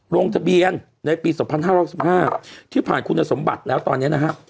โรงทะเบียนในปีสองพันห้าร้อยสิบห้าที่ผ่านคุณสมบัติแล้วตอนเนี้ยนะฮะ